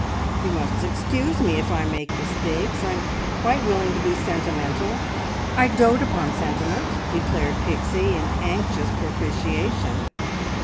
You must excuse me if I make mistakes. I'm quite willing to be sentimental; I dote upon sentiment," declared Pixie in anxious propitiation.